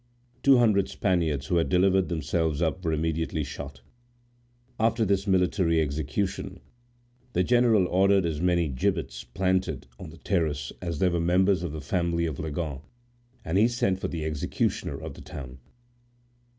Two hundred Spaniards who had delivered themselves up were immediately shot. After this military execution, the general ordered as many gibbets planted on the terrace as there were members of the family of Leganes, and he sent for the executioner of the town.